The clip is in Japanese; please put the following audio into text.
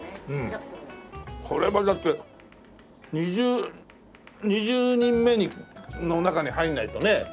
これはだって２０人目の中に入らないとね。